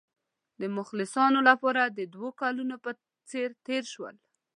د مخلصانو لپاره د دوو کلونو په څېر تېر شول.